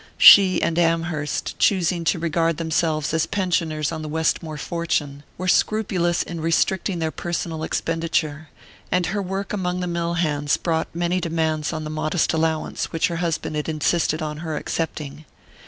She and Amherst, choosing to regard themselves as pensioners on the Westmore fortune, were scrupulous in restricting their personal expenditure; and her work among the mill hands brought many demands on the modest allowance which her husband had insisted on her accepting.